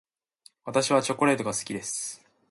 私はチョコレートが好きです。